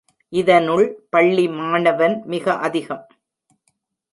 இதனுள் பள்ளி மாணவன் மிக அதிகம்.